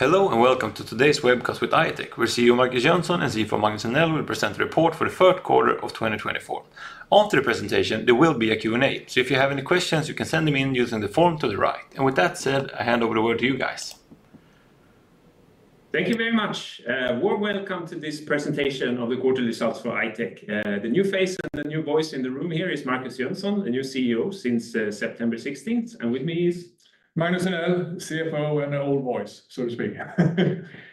Hello, and welcome to today's webcast with I-Tech, where CEO Markus Jönsson and CFO Magnus Enell will present the report for the third quarter of 2024. After the presentation, there will be a Q&A, so if you have any questions, you can send them in using the form to the right, and with that said, I hand over the word to you guys. Thank you very much. Warm welcome to this presentation of the quarterly results for I-Tech. The new face and the new voice in the room here is Markus Jönsson, the new CEO since September 16th, and with me is Magnus Henell, CFO, and an old voice, so to speak.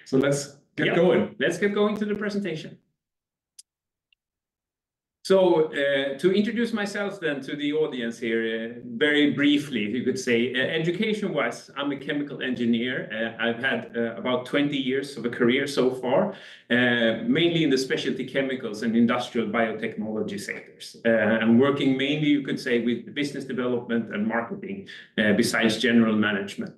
So let's get going. Yep, let's get going to the presentation, so to introduce myself then to the audience here, very briefly, you could say, education-wise, I'm a chemical engineer. I've had about 20 years of a career so far, mainly in the specialty chemicals and industrial biotechnology sectors, and working mainly, you could say, with business development and marketing, besides general management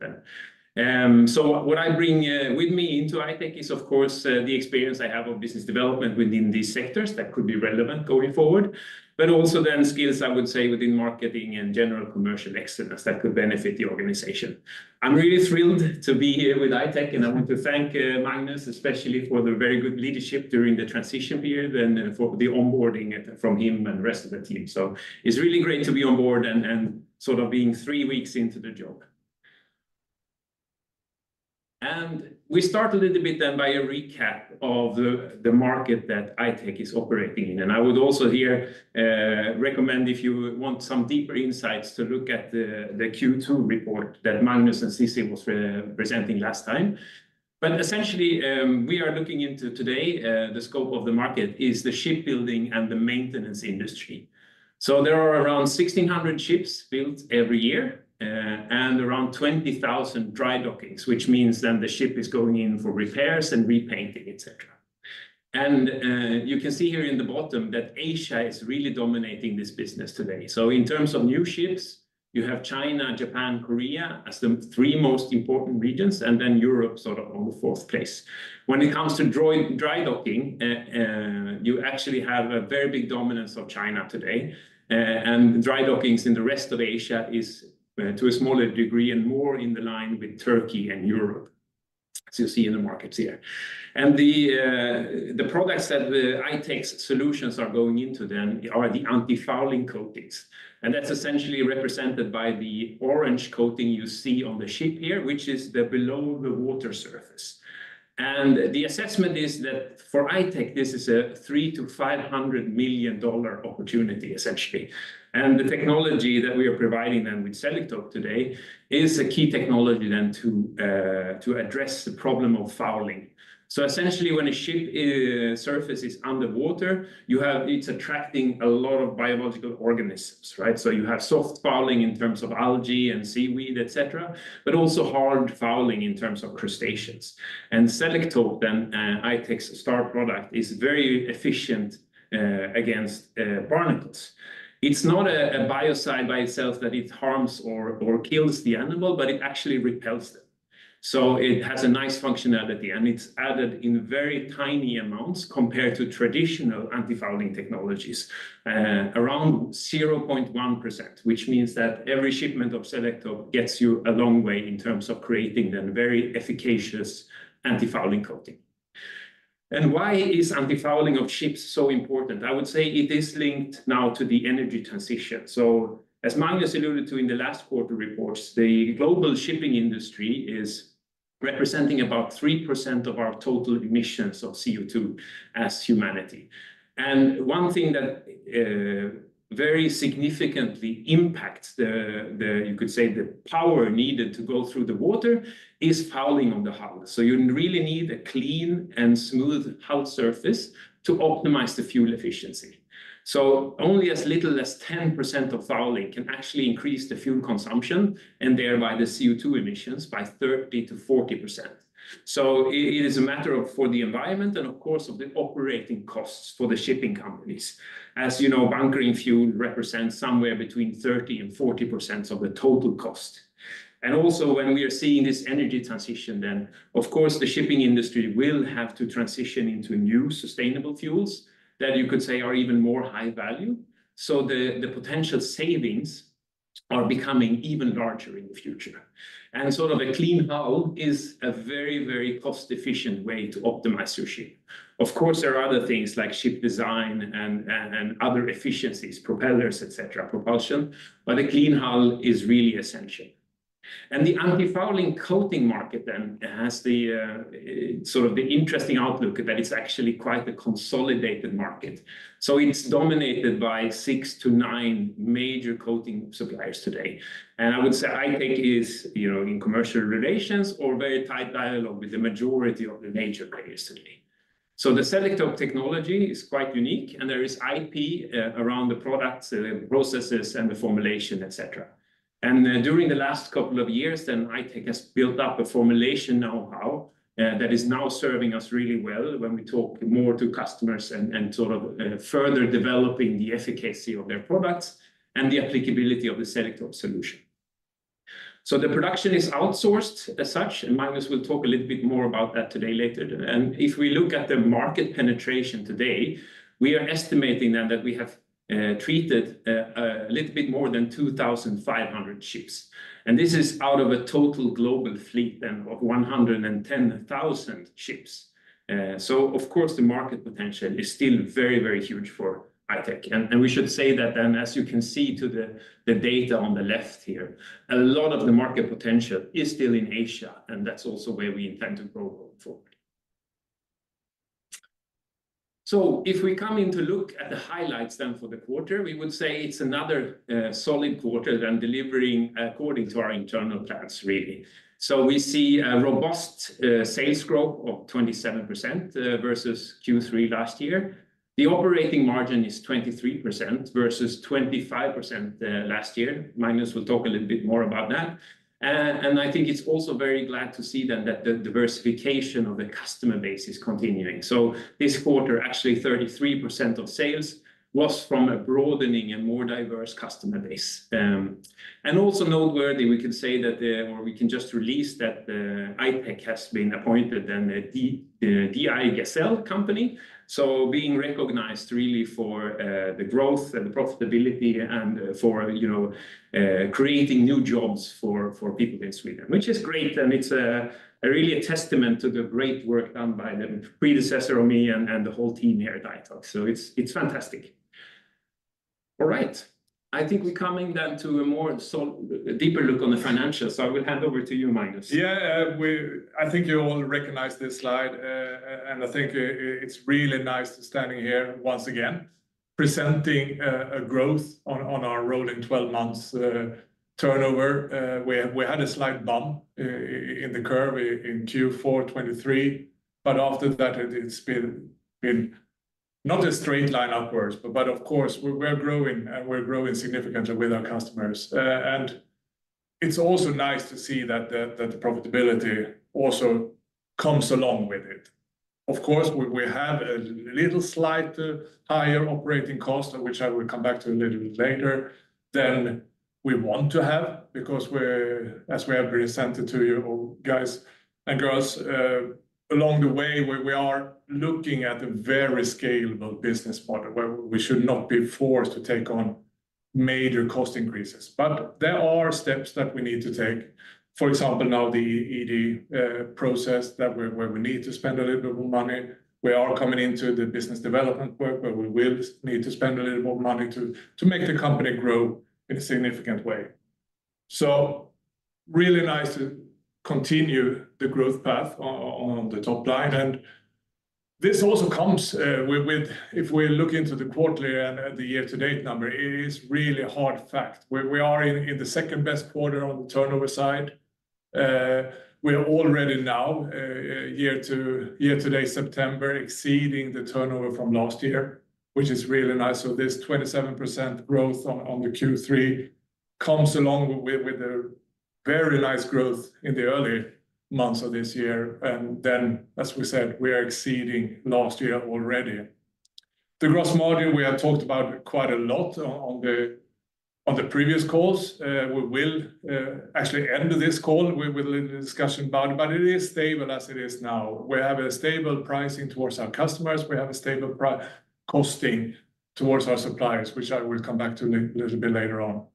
then, so what I bring with me into I-Tech is, of course, the experience I have of business development within these sectors that could be relevant going forward, but also then skills, I would say, within marketing and general commercial excellence that could benefit the organization. I'm really thrilled to be here with I-Tech, and I want to thank Magnus, especially, for the very good leadership during the transition period and for the onboarding from him and the rest of the team. So it's really great to be on board and sort of being three weeks into the job. And we start a little bit then by a recap of the market that I-Tech is operating in. And I would also here recommend, if you want some deeper insights, to look at the Q2 report that Magnus and Cissi was presenting last time. But essentially, we are looking into today the scope of the market is the shipbuilding and the maintenance industry. So there are around 1,600 ships built every year, and around 20,000 dry dockings, which means then the ship is going in for repairs and repainting, et cetera. And, you can see here in the bottom that Asia is really dominating this business today. So in terms of new ships, you have China, Japan, Korea as the three most important regions, and then Europe sort of on the fourth place. When it comes to dry docking, you actually have a very big dominance of China today, and dry dockings in the rest of Asia is, to a smaller degree and more in the line with Turkey and Europe, as you see in the markets here. The products that the I-Tech's solutions are going into then are the antifouling coatings, and that's essentially represented by the orange coating you see on the ship here, which is below the water surface. The assessment is that for I-Tech, this is a $300-$500 million opportunity, essentially. The technology that we are providing them with Selektope today is a key technology then to address the problem of fouling. Essentially, when a ship surface is underwater, it's attracting a lot of biological organisms, right? You have soft fouling in terms of algae and seaweed, et cetera, but also hard fouling in terms of crustaceans. Selektope, then, I-Tech's star product, is very efficient against barnacles. It's not a biocide by itself that it harms or kills the animal, but it actually repels them, so it has a nice functionality, and it's added in very tiny amounts compared to traditional antifouling technologies, around 0.1%, which means that every shipment of Selektope gets you a long way in terms of creating a very efficacious antifouling coating, and why is antifouling of ships so important? I would say it is linked now to the energy transition, so as Magnus alluded to in the last quarter reports, the global shipping industry is representing about 3% of our total emissions of CO2 as humanity, and one thing that very significantly impacts, you could say, the power needed to go through the water is fouling on the hull. So you really need a clean and smooth hull surface to optimize the fuel efficiency. So only as little as 10% of fouling can actually increase the fuel consumption, and thereby the CO2 emissions by 30%-40%. So it is a matter of for the environment and, of course, of the operating costs for the shipping companies. As you know, bunkering fuel represents somewhere between 30% and 40% of the total cost. And also, when we are seeing this energy transition, then, of course, the shipping industry will have to transition into new sustainable fuels that you could say are even more high value. So the potential savings are becoming even larger in the future. And sort of a clean hull is a very, very cost-efficient way to optimize your ship. Of course, there are other things like ship design and other efficiencies, propellers, et cetera, propulsion, but a clean hull is really essential, and the antifouling coating market then has the sort of the interesting outlook that it's actually quite a consolidated market, so it's dominated by six to nine major coating suppliers today, and I would say, I-Tech is, you know, in commercial relations or very tight dialogue with the majority of the major players today, so the Selektope technology is quite unique, and there is IP around the products, the processes, and the formulation, et cetera. During the last couple of years, then I-Tech has built up a formulation know-how that is now serving us really well when we talk more to customers and sort of further developing the efficacy of their products and the applicability of the Selektope solution. The production is outsourced as such, and Magnus will talk a little bit more about that today later. If we look at the market penetration today, we are estimating that we have treated a little bit more than 2500 ships. This is out of a total global fleet then of one hundred and ten thousand ships. Of course, the market potential is still very, very huge for I-Tech. We should say that then, as you can see to the data on the left here, a lot of the market potential is still in Asia, and that's also where we intend to grow forward. If we come in to look at the highlights then for the quarter, we would say it's another solid quarter, and delivering according to our internal plans, really. We see a robust sales growth of 27% versus Q3 last year. The operating margin is 23% versus 25% last year. Magnus will talk a little bit more about that. I think it's also very glad to see that the diversification of the customer base is continuing. This quarter, actually 33% of sales was from a broadening and more diverse customer base. And also noteworthy, we can say that, or we can just release that, I-Tech has been appointed then the DI Gasell company. So being recognized really for the growth and profitability and for, you know, creating new jobs for people in Sweden, which is great, and it's a really a testament to the great work done by the predecessor of me and the whole team here at I-Tech. So it's fantastic. All right, I think we're coming down to a deeper look on the financials, so I will hand over to you, Magnus. Yeah, I think you all recognize this slide, and I think it's really nice standing here once again, presenting a growth on our rolling twelve months turnover. We had a slight bump in the curve in Q4 2023, but after that, it's been not a straight line upwards, but of course, we're growing, and we're growing significantly with our customers. And it's also nice to see that the profitability also comes along with it. Of course, we have a little slight higher operating cost, which I will come back to a little bit later, than we want to have because we're, as we have presented to you all, guys and girls, along the way, we are looking at a very scalable business model, where we should not be forced to take on major cost increases. But there are steps that we need to take. For example, now, the ED process where we need to spend a little bit more money. We are coming into the business development work, where we will need to spend a little more money to make the company grow in a significant way. So really nice to continue the growth path on the top line, and this also comes with if we look into the quarterly and the year-to-date number. It is really a hard fact. We are in the second-best quarter on the turnover side. We are already now year-to-date, September, exceeding the turnover from last year, which is really nice. So this 27% growth on the Q3 comes along with a very nice growth in the early months of this year, and then, as we said, we are exceeding last year already. The gross margin, we have talked about quite a lot on the previous calls. We will actually end this call with a little discussion about it, but it is stable as it is now. We have a stable pricing towards our customers. We have a stable pricing towards our suppliers, which I will come back to a little bit later on.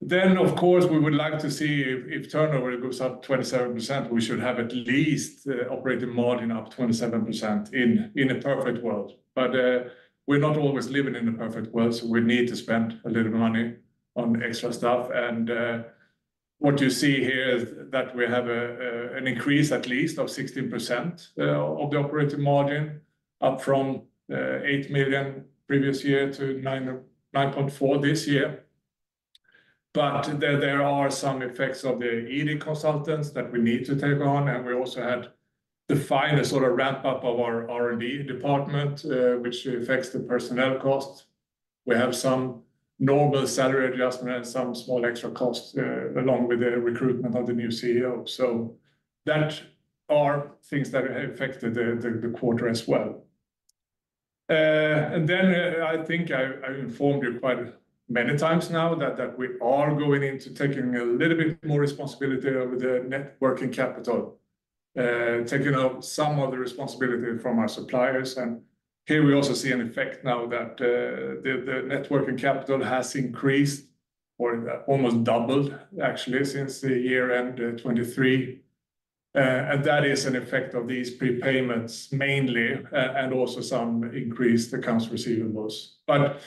Then, of course, we would like to see if turnover goes up 27%, we should have at least the operating margin up 27% in a perfect world. But we're not always living in a perfect world, so we need to spend a little money on extra stuff, and what you see here is that we have an increase at least of 16% of the operating margin, up from 8 million previous year to 9.4 million this year. But there are some effects of the ED consultants that we need to take on, and we also had the final sort of wrap-up of our R&D department, which affects the personnel costs. We have some normal salary adjustment and some small extra costs, along with the recruitment of the new CEO. So that are things that affected the quarter as well. And then, I think I informed you quite many times now that we are going into taking a little bit more responsibility over the net working capital, taking out some of the responsibility from our suppliers. And here we also see an effect now that the net working capital has increased or almost doubled, actually, since the year-end 2023. And that is an effect of these prepayments, mainly, and also some increased accounts receivables. But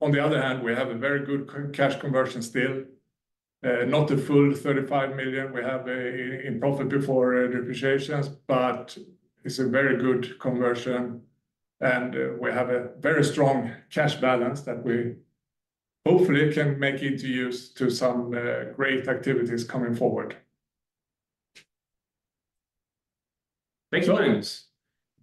on the other hand, we have a very good cash conversion still, not a full 35 million. We have in profit before depreciation, but it is a very good conversion, and we have a very strong cash balance that we hopefully can make it to use to some great activities coming forward. Thank you, Magnus,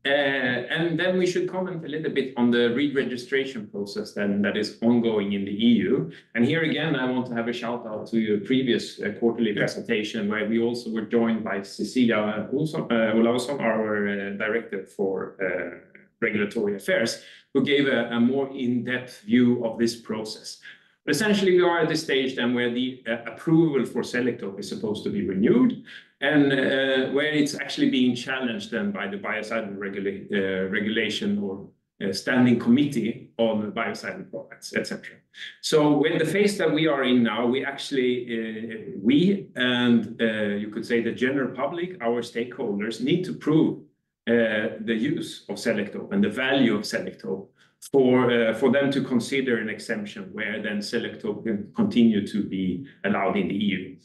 and then we should comment a little bit on the re-registration process then that is ongoing in the EU. And here again, I want to have a shout-out to your previous, quarterly presentation where we also were joined by Cecilia Ohlsson, our director for regulatory affairs, who gave a more in-depth view of this process. But essentially, we are at the stage then where the approval for Selektope is supposed to be renewed, and where it's actually being challenged then by the Biocidal Regulation or Standing Committee on Biocidal Products, et cetera. So in the phase that we are in now, we actually, we and you could say the general public, our stakeholders, need to prove the use of Selektope and the value of Selektope for them to consider an exemption where then Selektope can continue to be allowed in the EU.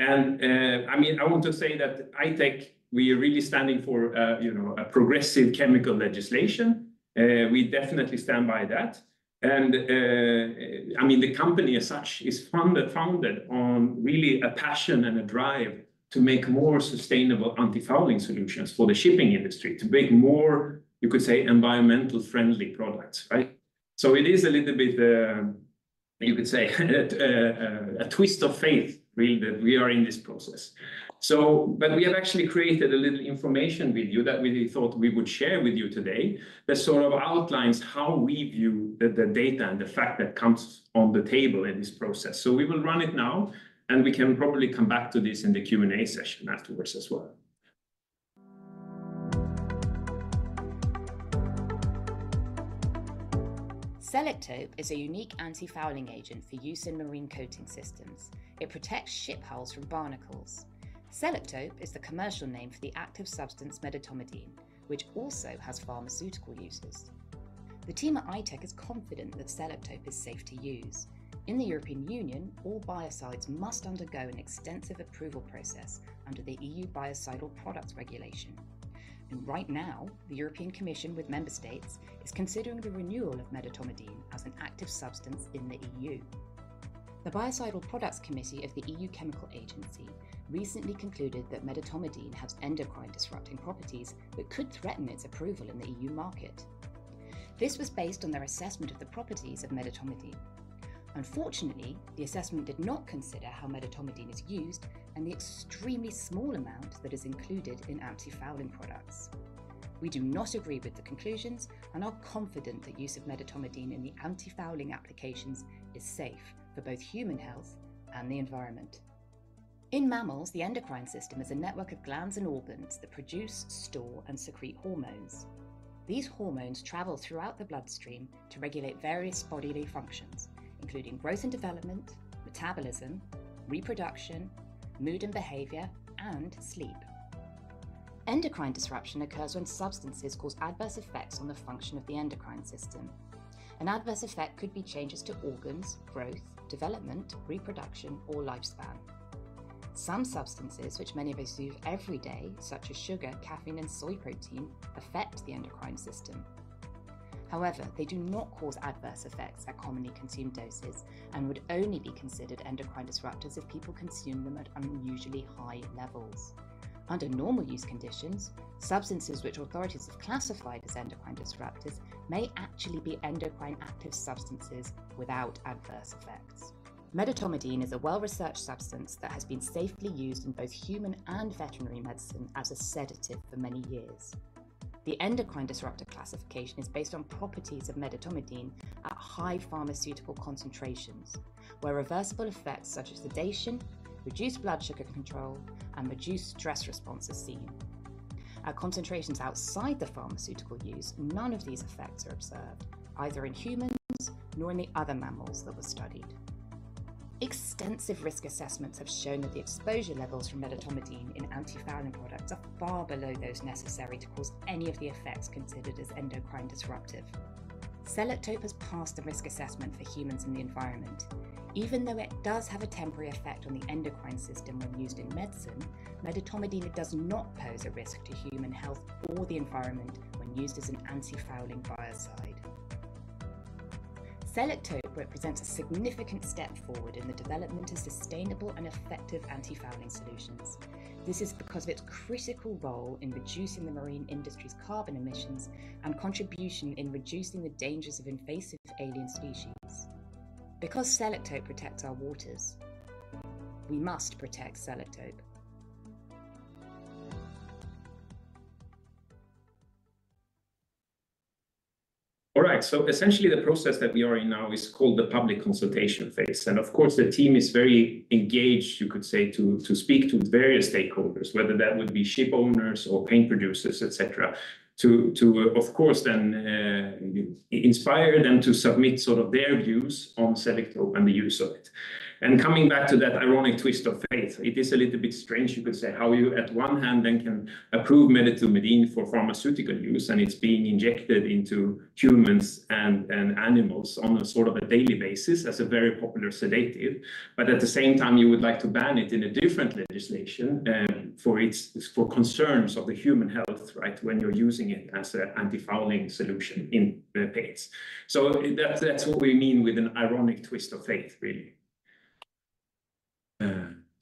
And I mean, I want to say that I think we are really standing for you know, a progressive chemical legislation. We definitely stand by that. I mean, the company as such is founded on really a passion and a drive to make more sustainable antifouling solutions for the shipping industry, to make more, you could say, environmentally friendly products, right? It is a little bit, you could say, a twist of fate, really, that we are in this process. But we have actually created a little information video that we thought we would share with you today, that sort of outlines how we view the data and the fact that comes on the table in this process. We will run it now, and we can probably come back to this in the Q&A session afterwards as well. Selektope is a unique antifouling agent for use in marine coating systems. It protects ship hulls from barnacles. Selektope is the commercial name for the active substance medetomidine, which also has pharmaceutical uses. The team at I-Tech is confident that Selektope is safe to use. In the European Union, all biocides must undergo an extensive approval process under the EU Biocidal Products Regulation, and right now, the European Commission with member states is considering the renewal of medetomidine as an active substance in the EU. The Biocidal Products Committee of the European Chemicals Agency recently concluded that medetomidine has endocrine-disrupting properties that could threaten its approval in the EU market. This was based on their assessment of the properties of medetomidine. Unfortunately, the assessment did not consider how medetomidine is used and the extremely small amount that is included in antifouling products. We do not agree with the conclusions and are confident that use of medetomidine in the antifouling applications is safe for both human health and the environment. In mammals, the endocrine system is a network of glands and organs that produce, store, and secrete hormones. These hormones travel throughout the bloodstream to regulate various bodily functions, including growth and development, metabolism, reproduction, mood and behavior, and sleep. Endocrine disruption occurs when substances cause adverse effects on the function of the endocrine system. An adverse effect could be changes to organs, growth, development, reproduction, or lifespan. Some substances, which many of us use every day, such as sugar, caffeine, and soy protein, affect the endocrine system. However, they do not cause adverse effects at commonly consumed doses and would only be considered endocrine disruptors if people consume them at unusually high levels. Under normal use conditions, substances which authorities have classified as endocrine disruptors may actually be endocrine-active substances without adverse effects. medetomidine is a well-researched substance that has been safely used in both human and veterinary medicine as a sedative for many years. The endocrine disruptor classification is based on properties of medetomidine at high pharmaceutical concentrations, where reversible effects such as sedation, reduced blood sugar control, and reduced stress response are seen. At concentrations outside the pharmaceutical use, none of these effects are observed, either in humans nor in the other mammals that were studied. Extensive risk assessments have shown that the exposure levels from medetomidine in antifouling products are far below those necessary to cause any of the effects considered as endocrine disruptive. Selektope has passed the risk assessment for humans and the environment. Even though it does have a temporary effect on the endocrine system when used in medicine, medetomidine does not pose a risk to human health or the environment when used as an antifouling biocide. Selektope represents a significant step forward in the development of sustainable and effective antifouling solutions. This is because of its critical role in reducing the marine industry's carbon emissions and contribution in reducing the dangers of invasive alien species. Because Selektope protects our waters, we must protect Selektope. All right, so essentially, the process that we are in now is called the public consultation phase. And of course, the team is very engaged, you could say, to speak to various stakeholders, whether that would be shipowners or paint producers, et cetera, to of course then inspire them to submit sort of their views on Selektope and the use of it. And coming back to that ironic twist of fate, it is a little bit strange, you could say, how you on one hand then can approve medetomidine for pharmaceutical use, and it's being injected into humans and animals on a sort of a daily basis as a very popular sedative. But at the same time, you would like to ban it in a different legislation, for concerns of the human health, right, when you're using it as a antifouling solution in the paints. So that's, that's what we mean with an ironic twist of fate, really.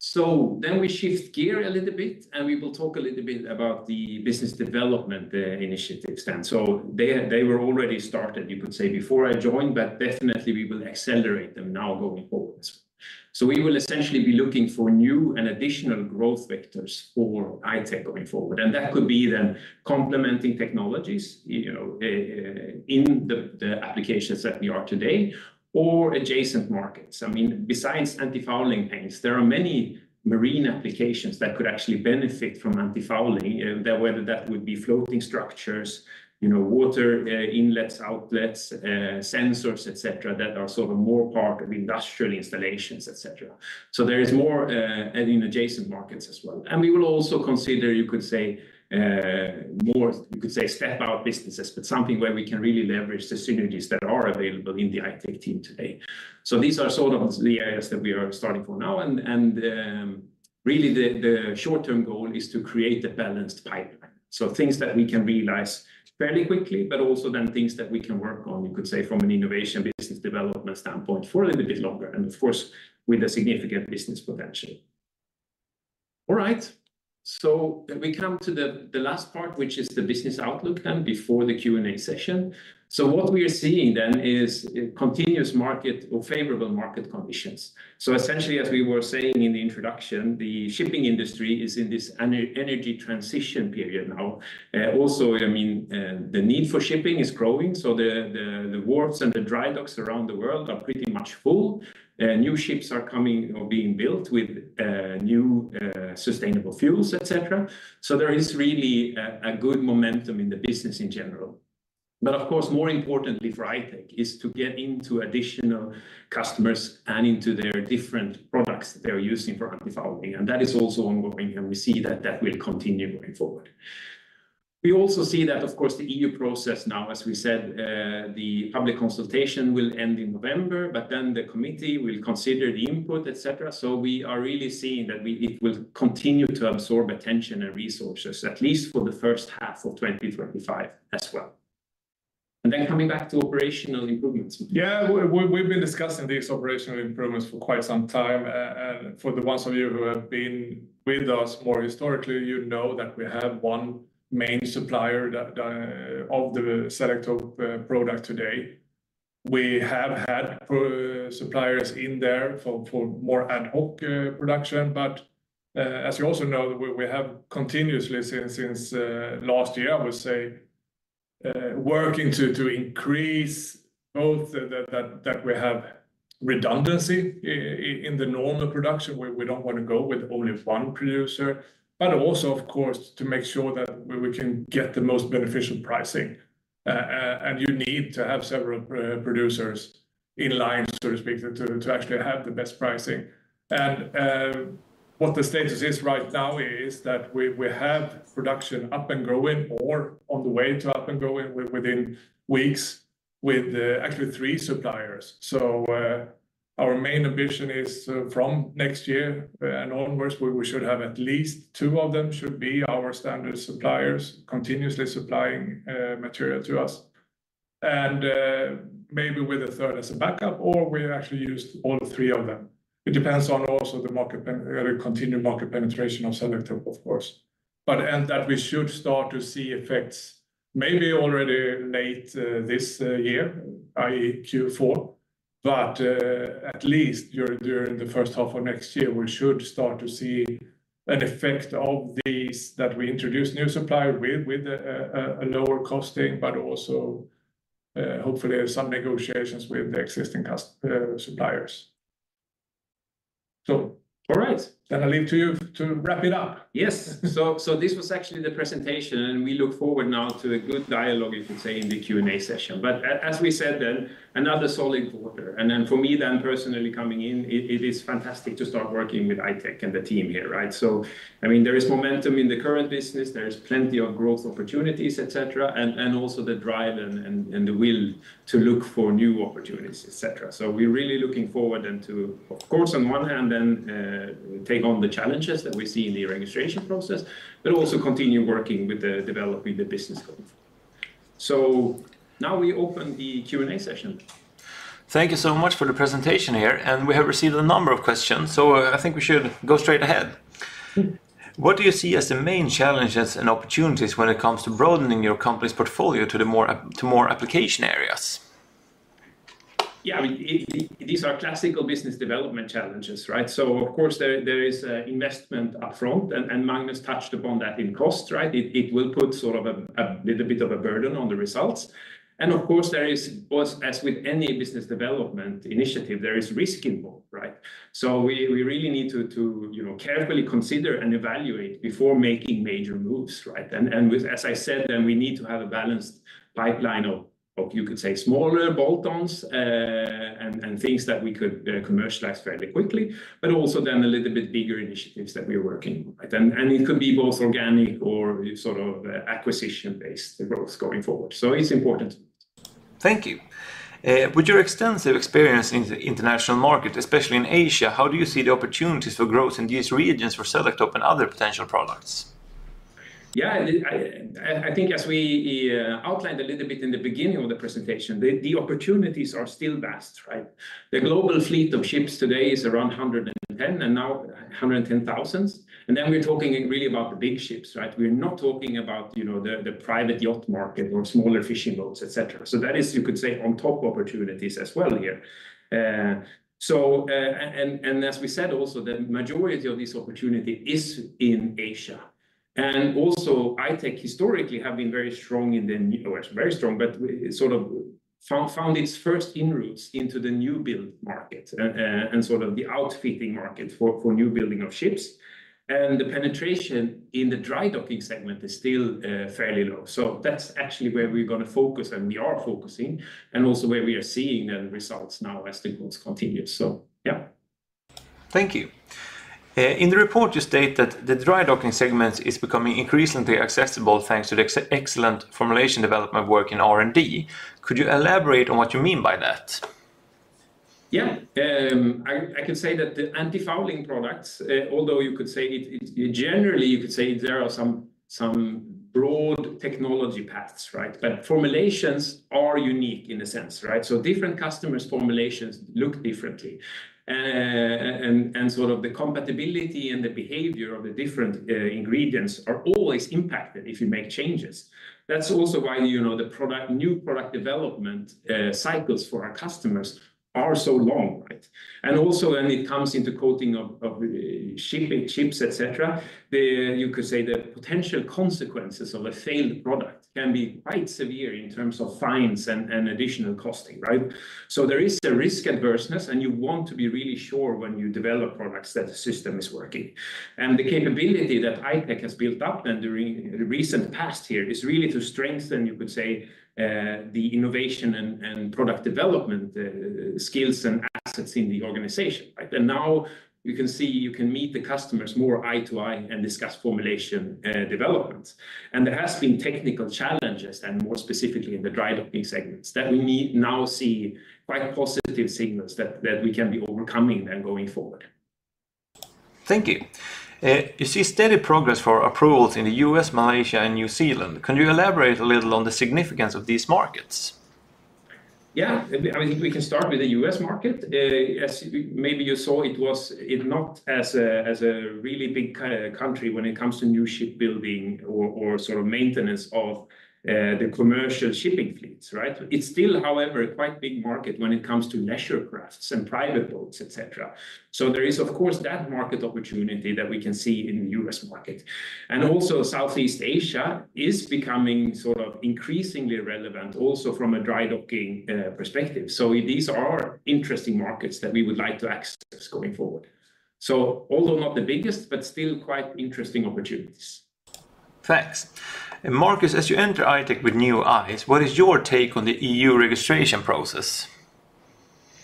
So then we shift gear a little bit, and we will talk a little bit about the business development initiatives. And so they, they were already started, you could say, before I joined, but definitely we will accelerate them now going forward. So we will essentially be looking for new and additional growth vectors for I-Tech going forward, and that could be then complementing technologies, you know, in, in the, the applications that we are today, or adjacent markets. I mean, besides antifouling paints, there are many marine applications that could actually benefit from antifouling, that whether that would be floating structures, you know, water inlets, outlets, sensors, et cetera, that are sort of more part of industrial installations, et cetera. So there is more in adjacent markets as well. And we will also consider, you could say, more, you could say, step-out businesses, but something where we can really leverage the synergies that are available in the I-Tech team today. So these are sort of the areas that we are starting from now, and really, the short-term goal is to create a balanced pipeline. So things that we can realize fairly quickly, but also then things that we can work on, you could say, from an innovation business development standpoint for a little bit longer, and of course, with a significant business potential. All right. So we come to the last part, which is the business outlook then before the Q&A session. So what we are seeing then is a continuous market or favorable market conditions. So essentially, as we were saying in the introduction, the shipping industry is in this energy transition period now. Also, I mean, the need for shipping is growing, so the wharves and the dry docks around the world are pretty much full. New ships are coming or being built with new sustainable fuels, et cetera. So there is really a good momentum in the business in general. But of course, more importantly for I-Tech, is to get into additional customers and into their different products that they are using for antifouling, and that is also ongoing, and we see that that will continue going forward. We also see that, of course, the EU process now, as we said, the public consultation will end in November, but then the committee will consider the input, et cetera. So we are really seeing that it will continue to absorb attention and resources, at least for the first half of 2025 as well. And then coming back to operational improvements. Yeah, we, we've been discussing these operational improvements for quite some time. And for the ones of you who have been with us more historically, you know that we have one main supplier that of the Selektope product today. We have had suppliers in there for more ad hoc production, but as you also know, we have continuously since last year, I would say, working to increase both that we have redundancy in the normal production, where we don't want to go with only one producer, but also, of course, to make sure that we can get the most beneficial pricing. And you need to have several producers in line, so to speak, to actually have the best pricing. What the status is right now is that we have production up and growing or on the way to up and growing within weeks with actually three suppliers. So our main ambition is from next year and onwards, we should have at least two of them should be our standard suppliers, continuously supplying material to us, and maybe with a third as a backup, or we actually use all three of them. It depends on also the continued market penetration of Selektope, of course. But and that we should start to see effects maybe already late this year, i.e., Q4, but at least during the first half of next year, we should start to see an effect of these, that we introduce new supplier with a lower costing, but also hopefully some negotiations with the existing suppliers. So- All right. Then I leave to you to wrap it up. Yes. So, so this was actually the presentation, and we look forward now to a good dialogue, you could say, in the Q&A session. But as we said, then, another solid quarter. And then for me, then personally coming in, it is fantastic to start working with I-Tech and the team here, right? So, I mean, there is momentum in the current business, there is plenty of growth opportunities, et cetera, and also the drive and the will to look for new opportunities, et cetera. So we're really looking forward then to, of course, on one hand, then take on the challenges that we see in the registration process, but also continue working with the developing the business going forward. So now we open the Q&A session. Thank you so much for the presentation here, and we have received a number of questions, so, I think we should go straight ahead. What do you see as the main challenges and opportunities when it comes to broadening your company's portfolio to more application areas? Yeah, I mean, these are classical business development challenges, right? So of course, there is investment upfront, and Magnus touched upon that in cost, right? It will put sort of a little bit of a burden on the results. And of course, there is also, as with any business development initiative, there is risk involved, right? So we really need to, you know, carefully consider and evaluate before making major moves, right? And with... As I said, then we need to have a balanced pipeline of, you could say, smaller bolt-ons, and things that we could commercialize fairly quickly, but also then a little bit bigger initiatives that we're working on, right? And it could be both organic or sort of acquisition-based growth going forward. So it's important. Thank you. With your extensive experience in the international market, especially in Asia, how do you see the opportunities for growth in these regions for Selektope and other potential products? Yeah, I think as we outlined a little bit in the beginning of the presentation, the opportunities are still vast, right? The global fleet of ships today is around 110,000, and then we're talking really about the big ships, right? We're not talking about, you know, the private yacht market or smaller fishing boats, et cetera, so that is, you could say, on top opportunities as well here, so as we said also, the majority of this opportunity is in Asia, and also, I-Tech historically have been very strong in the U.S., very strong, but we sort of found its first inroads into the new build market, and sort of the outfitting market for new building of ships, and the penetration in the dry docking segment is still fairly low. That's actually where we're gonna focus, and we are focusing, and also where we are seeing the results now as the growth continues. So, yeah. Thank you. In the report, you state that the dry docking segment is becoming increasingly accessible, thanks to the excellent formulation development work in R&D. Could you elaborate on what you mean by that? Yeah. I can say that the antifouling products, although you could say it. Generally, you could say there are some broad technology paths, right? But formulations are unique in a sense, right? So different customers' formulations look differently. And sort of the compatibility and the behavior of the different ingredients are always impacted if you make changes. That's also why, you know, new product development cycles for our customers are so long, right? And also, when it comes into coating of shipping ships, et cetera, you could say the potential consequences of a failed product can be quite severe in terms of fines and additional costs, right? So there is a risk aversion, and you want to be really sure when you develop products that the system is working. And the capability that I-Tech has built up then during the recent past here is really to strengthen, you could say, the innovation and product development skills and assets in the organization, right? And now you can see, you can meet the customers more eye to eye and discuss formulation development. And there has been technical challenges, and more specifically in the dry docking segments, that we now see quite positive signals that we can be overcoming and going forward. Thank you. You see steady progress for approvals in the U.S., Malaysia, and New Zealand. Can you elaborate a little on the significance of these markets? Yeah. I mean, we can start with the U.S. market. As maybe you saw, it's not a really big kind of country when it comes to new ship building or sort of maintenance of the commercial shipping fleets, right? It's still, however, a quite big market when it comes to leisure crafts and private boats, et cetera. So there is, of course, that market opportunity that we can see in the U.S. market. And also, Southeast Asia is becoming sort of increasingly relevant, also from a dry docking perspective. So these are interesting markets that we would like to access going forward. So although not the biggest, but still quite interesting opportunities. Thanks. Marcus, as you enter I-Tech with new eyes, what is your take on the EU registration process?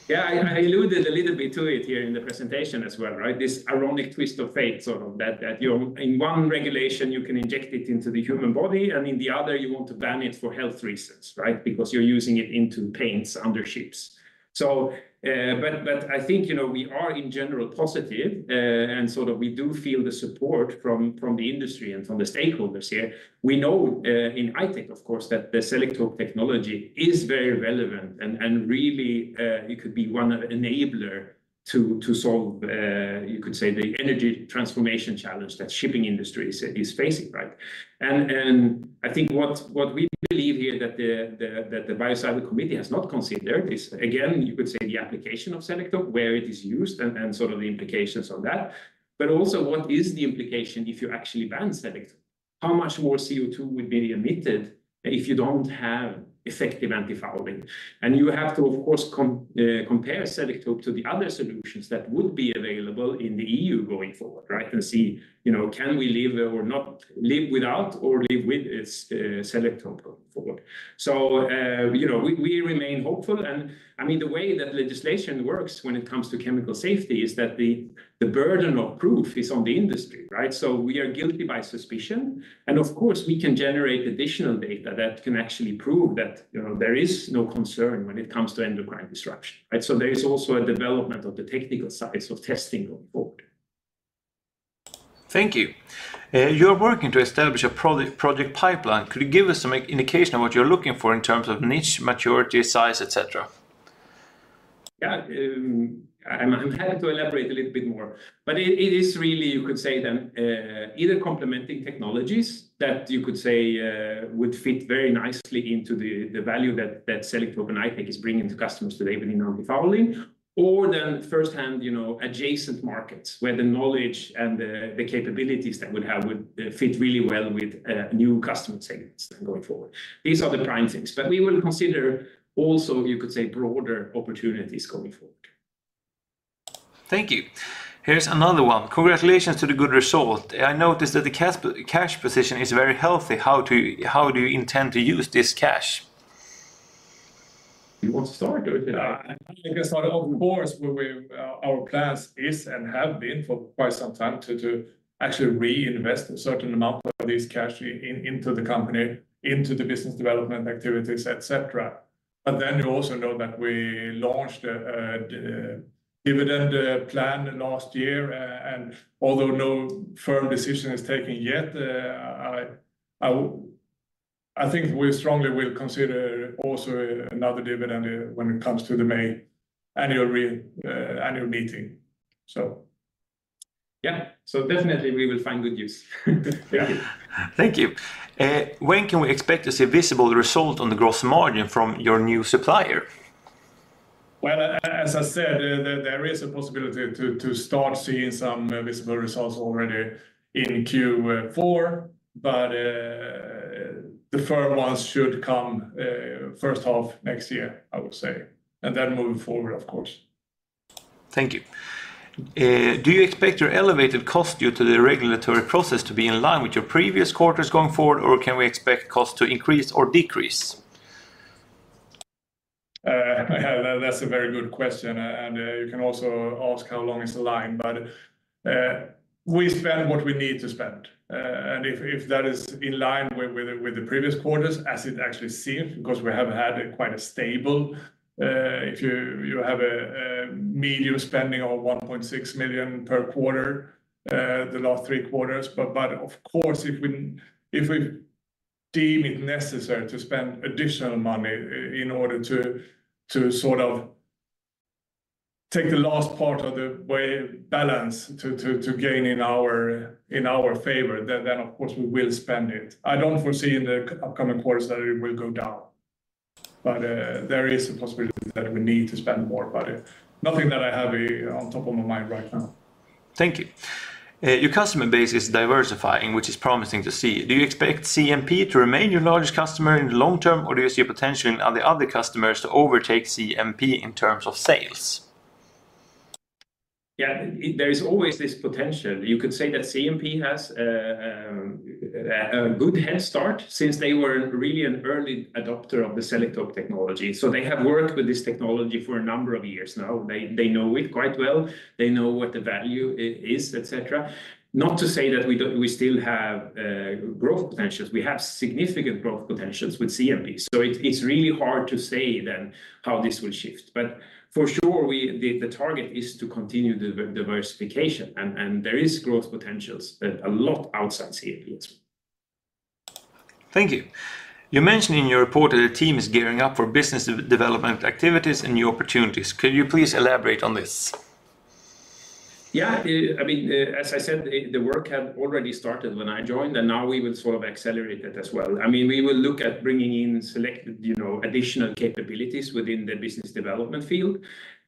Yeah, I alluded a little bit to it here in the presentation as well, right? This ironic twist of fate, sort of, that you're, in one regulation, you can inject it into the human body, and in the other, you want to ban it for health reasons, right? Because you're using it into paints under ships. So, but I think, you know, we are in general positive, and so that we do feel the support from the industry and from the stakeholders here. We know in I-Tech, of course, that the Selektope technology is very relevant, and really, it could be one enabler to solve, you could say, the energy transformation challenge that shipping industry is facing, right? I think what we believe here that the that the Biocidal Committee has not considered is, again, you could say the application of Selektope, where it is used, and sort of the implications of that. But also, what is the implication if you actually ban Selektope? How much more CO2 would be emitted if you don't have effective antifouling? And you have to, of course, compare Selektope to the other solutions that would be available in the EU going forward, right? And see, you know, can we live or not, live without or live with Selektope forward. So, you know, we remain hopeful. And I mean, the way that legislation works when it comes to chemical safety is that the burden of proof is on the industry, right? So we are guilty by suspicion, and of course, we can generate additional data that can actually prove that, you know, there is no concern when it comes to endocrine disruption, right? So there is also a development of the technical sides of testing going forward. Thank you. You're working to establish a project pipeline. Could you give us some indication of what you're looking for in terms of niche, maturity, size, et cetera? Yeah, I'm happy to elaborate a little bit more. But it is really, you could say, then, either complementing technologies that you could say, would fit very nicely into the value that Selektope and I-Tech is bringing to customers today, but in antifouling, or then firsthand, you know, adjacent markets, where the knowledge and the capabilities that we have would fit really well with new customer segments going forward. These are the prime things, but we will consider also, you could say, broader opportunities going forward. Thank you. Here's another one: Congratulations to the good result. I noticed that the cash position is very healthy. How do you intend to use this cash? You want to start with it? Yeah, I can start. Of course, our plans is and have been for quite some time to actually reinvest a certain amount of this cash into the company, into the business development activities, et cetera. But then you also know that we launched the dividend plan last year. And although no firm decision is taken yet, I think we strongly will consider also another dividend when it comes to the May annual meeting, so. Yeah. So definitely we will find good news. Thank you. Thank you. When can we expect to see visible result on the gross margin from your new supplier? As I said, there is a possibility to start seeing some visible results already in Q4, but the firm ones should come first half next year, I would say, and then moving forward, of course. Thank you. Do you expect your elevated cost due to the regulatory process to be in line with your previous quarters going forward, or can we expect costs to increase or decrease? That's a very good question, and you can also ask how long is the line, but we spend what we need to spend. And if that is in line with the previous quarters, as it actually seems, because we have had it quite a stable, if you have a medium spending of 1.6 million SEK per quarter, the last three quarters. But of course, if we deem it necessary to spend additional money in order to sort of take the last part of the way balance to gain in our favor, then of course, we will spend it. I don't foresee in the upcoming quarters that it will go down. But, there is a possibility that we need to spend more, but nothing that I have on top of my mind right now. Thank you. Your customer base is diversifying, which is promising to see. Do you expect CMP to remain your largest customer in the long term, or do you see a potential in the other customers to overtake CMP in terms of sales? Yeah, there is always this potential. You could say that CMP has a good head start since they were really an early adopter of the Selektope technology. So they have worked with this technology for a number of years now. They know it quite well. They know what the value is, et cetera. Not to say that we don't. We still have growth potentials. We have significant growth potentials with CMP. So it's really hard to say then how this will shift. But for sure, the target is to continue the diversification, and there is growth potentials, a lot outside CMP. Thank you. You mentioned in your report that your team is gearing up for business development activities and new opportunities. Could you please elaborate on this? Yeah, I mean, as I said, the work had already started when I joined, and now we will sort of accelerate it as well. I mean, we will look at bringing in selected, you know, additional capabilities within the business development field,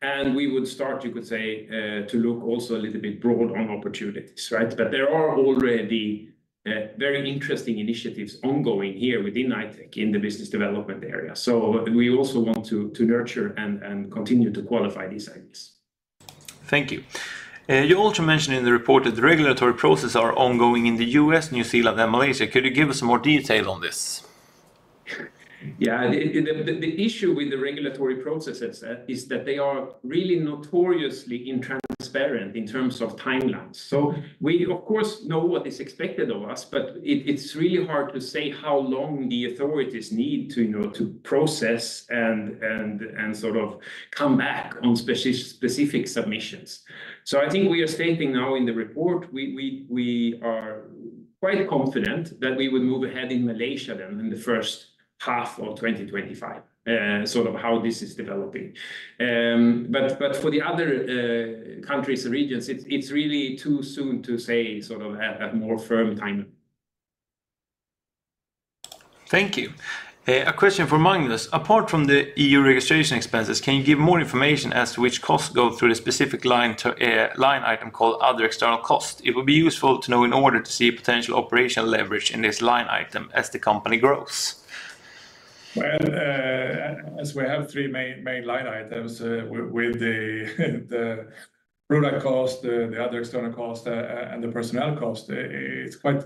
and we would start, you could say, to look also a little bit broad on opportunities, right? But there are already very interesting initiatives ongoing here within I-Tech in the business development area. So we also want to nurture and continue to qualify these ideas. Thank you. You also mentioned in the report that the regulatory processes are ongoing in the U.S., New Zealand, and Malaysia. Could you give us more detail on this? Sure. Yeah, the issue with the regulatory processes is that they are really notoriously intransparent in terms of timelines. So we, of course, know what is expected of us, but it's really hard to say how long the authorities need to, you know, to process and sort of come back on specific submissions. So I think we are stating now in the report. We are quite confident that we will move ahead in Malaysia then in the first half of 2025, sort of how this is developing. But for the other countries and regions, it's really too soon to say, sort of, a more firm timeline. Thank you. A question for Magnus: Apart from the EU registration expenses, can you give more information as to which costs go through the specific line item called Other External Costs? It would be useful to know in order to see potential operational leverage in this line item as the company grows. As we have three main line items with the product cost, the other external cost, and the personnel cost, it's quite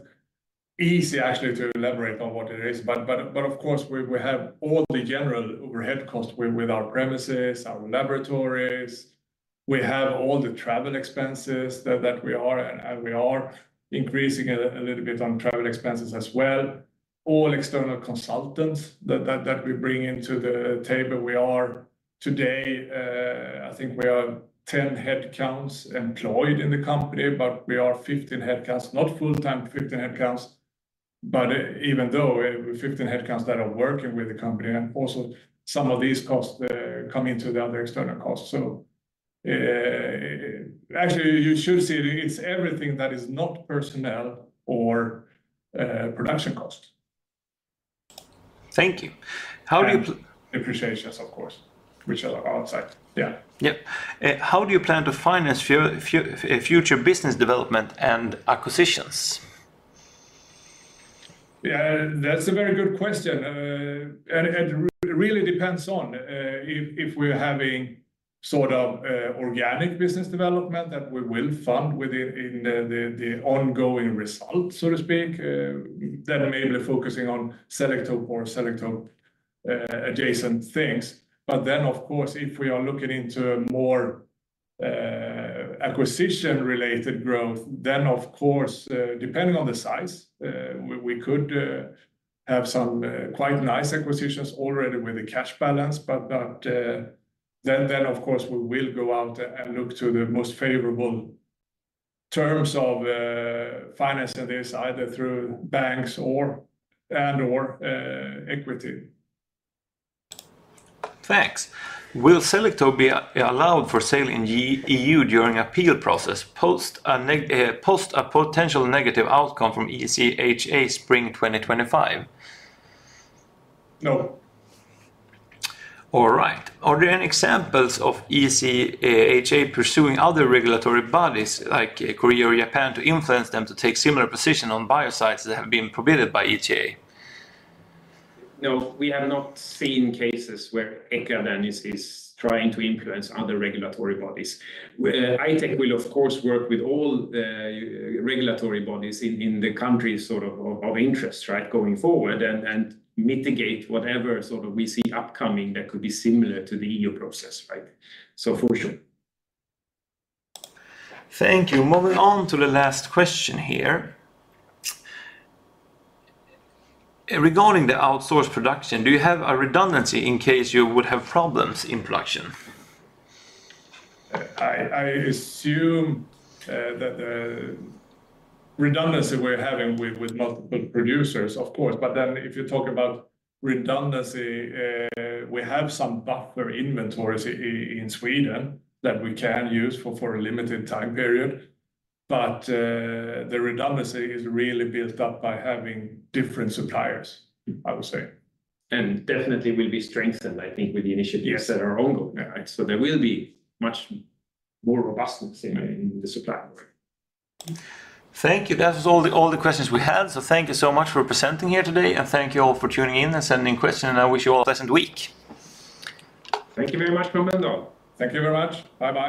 easy actually to elaborate on what it is. But of course, we have all the general overhead costs with our premises, our laboratories. We have all the travel expenses that we are, and we are increasing a little bit on travel expenses as well. All external consultants that we bring into the table, we are today, I think we are 10 headcounts employed in the company, but we are 15 headcounts, not full-time, but even though 15 headcounts that are working with the company, and also some of these costs come into the other external costs. Actually, you should see it's everything that is not personnel or production cost. Thank you. And depreciations, of course, which are outside. Yeah. Yep. How do you plan to finance future business development and acquisitions? Yeah, that's a very good question, and it really depends on if we're having sort of organic business development that we will fund within the ongoing results, so to speak, then maybe focusing on Selektope or Selektope adjacent things. But then, of course, if we are looking into acquisition-related growth, then of course, depending on the size, we could have some quite nice acquisitions already with the cash balance. But then, of course, we will go out and look to the most favorable terms of financing this, either through banks or equity. Thanks. Will Selektope be allowed for sale in EU during appeal process, post a potential negative outcome from ECHA spring 2025? No. All right. Are there any examples of ECHA pursuing other regulatory bodies, like Korea or Japan, to influence them to take similar position on biocides that have been prohibited by ECHA? No, we have not seen cases where ECHA then is trying to influence other regulatory bodies. I-Tech will, of course, work with all the regulatory bodies in the country, sort of, of interest, right, going forward, and mitigate whatever sort of we see upcoming that could be similar to the EU process, right? So for sure. Thank you. Moving on to the last question here. Regarding the outsourced production, do you have a redundancy in case you would have problems in production? I assume that the redundancy we're having with multiple producers, of course, but then if you talk about redundancy, we have some buffer inventories in Sweden that we can use for a limited time period. But the redundancy is really built up by having different suppliers, I would say. Definitely will be strengthened, I think, with the initiatives that are ongoing, right? So there will be much more robustness in the supply. Thank you. That was all the questions we had. So thank you so much for presenting here today, and thank you all for tuning in and sending questions, and I wish you all a pleasant week. Thank you very much, Melinda. Thank you very much. Bye-bye.